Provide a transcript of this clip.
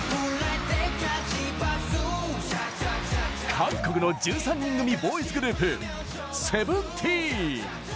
韓国の１３人組ボーイズグループＳＥＶＥＮＴＥＥＮ！